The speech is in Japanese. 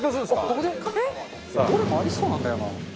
どれもありそうなんだよな。